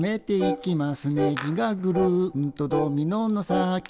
「ねじがぐるんとドミノの先に」